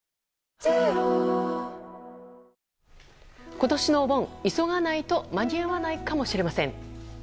今年のお盆、急がないと間に合わないかもしれません。